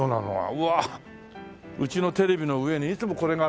うわあうちのテレビの上にいつもこれがあったのよ。